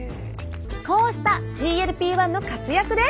こうしたＧＬＰー１の活躍で。